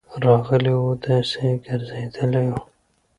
راغلی وو، داسي ګرځيدلی وو: